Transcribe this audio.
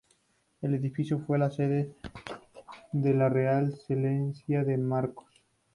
El edificio fue la sede de la Real Clerecía de San Marcos.